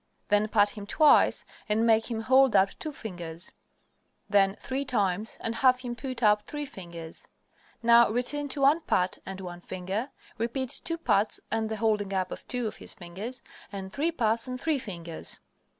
Then pat him twice, and make him hold up two fingers, then three times and have him put up three fingers. Now return to one pat and one finger, repeat two pats and the holding up of two of his fingers, and three pats and three fingers.